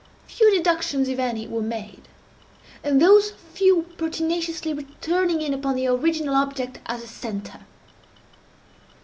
Few deductions, if any, were made; and those few pertinaciously returning in upon the original object as a centre.